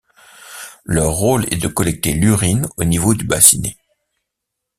Leur rôle est de collecter l'urine au niveau du bassinet.